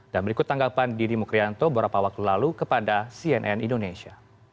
dan berikut tanggapan didik mukrianto beberapa waktu lalu kepada cnn indonesia